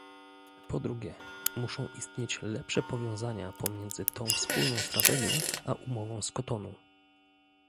Po drugie, muszą istnieć lepsze powiązania pomiędzy tą wspólną strategią a umową z Kotonu